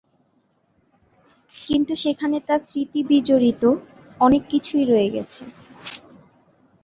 কিন্তু সেখানে তার স্মৃতিবিজড়িত অনেক কিছুই রয়ে গেছে।